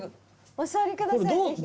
お座りください。